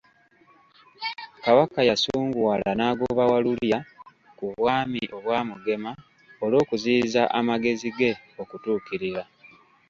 Kabaka yasunguwala n'agoba Walulya ku bwami Obwamugema olw'okuziyiza amagezi ge okutuukirira.